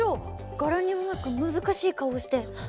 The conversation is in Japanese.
柄にもなく難しい顔をしてはっ！